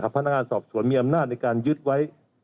พนักงานสอบสวนมีอำนาจในการยึดไว้